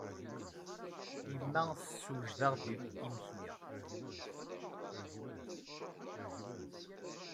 Yemma tessewjed-aɣ-d imekli.